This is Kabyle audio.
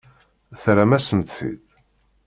Terram-asent-t-id?